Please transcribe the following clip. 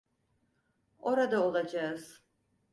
Orada olacağız.